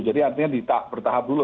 jadi artinya di tak bertahap dulu